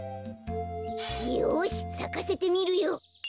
よしさかせてみるよ。